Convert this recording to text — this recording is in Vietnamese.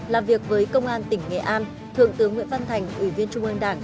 làm việc với công an tỉnh nghệ an thượng tướng nguyễn văn thành ủy viên trung ương đảng